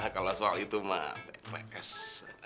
kalau soal itu mah terkes